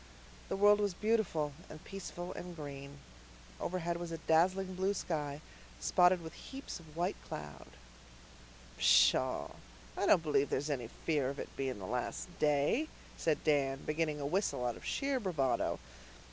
The world was beautiful and peaceful and green. Overhead was a dazzling blue sky, spotted with heaps of white cloud. "Pshaw, I don't believe there's any fear of it being the last day," said Dan, beginning a whistle out of sheer bravado.